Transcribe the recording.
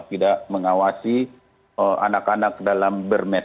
tidak mengawasi anak anak dalam bermed